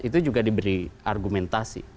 itu juga diberi argumentasi